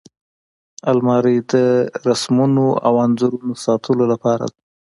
الماري د رسمونو او انځورونو ساتلو لپاره ده